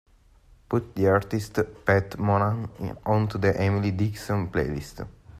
Put the artist Pat Monahan onto the emily dickinson playlist.